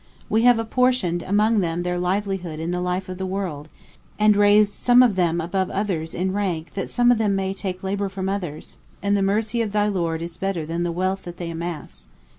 We have apportioned among them their livelihood in the life of the world, and raised some of them above others in rank that some of them may take labour from others; and the mercy of thy Lord is better than (the wealth) that they amass.